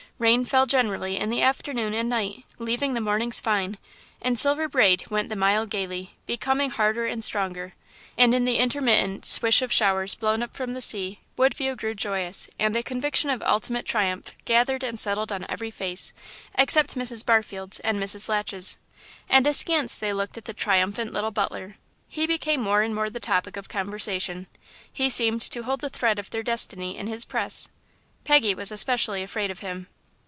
Rain fell generally in the afternoon and night, leaving the mornings fine, and Silver Braid went the mile gaily, becoming harder and stronger. And in the intermittent swish of showers blown up from the sea Woodview grew joyous, and a conviction of ultimate triumph gathered and settled on every face except Mrs. Barfield's and Mrs. Latch's. And askance they looked at the triumphant little butler. He became more and more the topic of conversation. He seemed to hold the thread of their destiny in his press. Peggy was especially afraid of him.